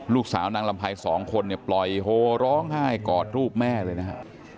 ลูกสาวนางลำไพรสองคนเนี่ยปล่อยโฮร้องไห้กอดรูปแม่เลยนะฮะ